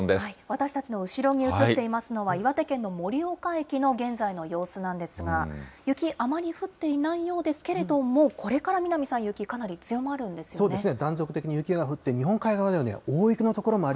私たちの後ろに写っていますのは、岩手県の盛岡駅の現在の様子なんですが、雪、あまり降っていないようですけれども、これから南さん、雪、かなり強まるんですよね。